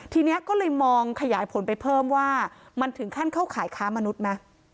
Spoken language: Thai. ทีนี้ก็เลยมองขยายผลไปเพิ่มว่ามันถึงขั้นเข้าขายค้ามนุษย์นะ